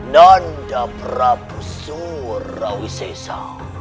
nanda prabu surawisesa